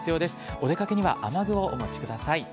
お出かけには雨具をお持ちください。